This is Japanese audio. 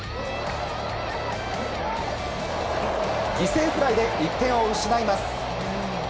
犠牲フライで１点を失います。